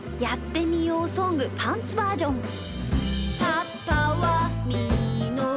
「やってみようソングパンツバージョン」。